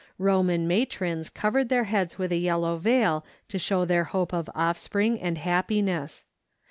Roman matrons covered their heads with a yellow veil to show their hope of offspring and happiness.